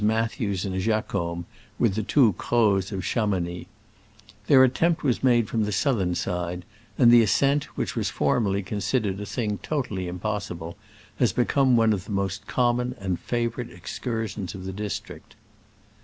Mathews and Jacomb, with the two Crozes of Chamounix. Their attempt was made from the southern side, and the ascent, which was formerly consid ered a thing totally impossible, has be come one of the most common and favorite excursions of the district.